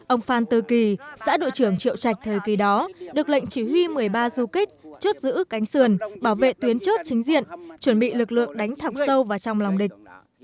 ông phan tứ kỳ xã đội trưởng triệu trạch thời kỳ đó được lệnh chỉ huy một mươi ba du kích chốt giữ cánh sườn bảo vệ tuyến chốt chính diện chuẩn bị lực lượng đánh thẳng sâu vào trong lòng địch